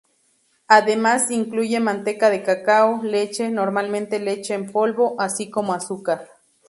Además incluye manteca de cacao, leche, normalmente leche en polvo, así como azúcar.